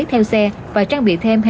theo xe và trang bị thêm